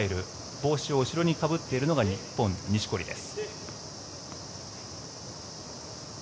帽子を後ろにかぶっているのが日本、錦織です。